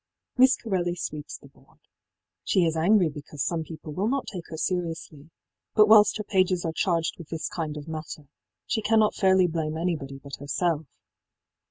Miss Corelli sweeps the board. She is angry because some people will not take her seriously, but whilst her pages are charged with this kind of matter, she cannot fairly blame anybody but herself.